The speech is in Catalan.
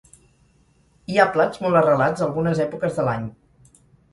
Hi ha plats molt arrelats a algunes èpoques de l'any.